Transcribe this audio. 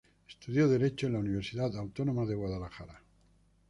Estudió Derecho en la Universidad Autónoma de Guadalajara.